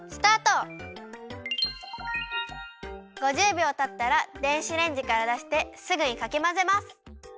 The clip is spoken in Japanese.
びょうたったら電子レンジからだしてすぐにかきまぜます。